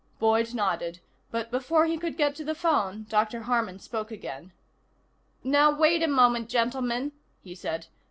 Boyd nodded, but before he could get to the phone Dr. Harman spoke again. "Now, wait a moment, gentlemen," he said.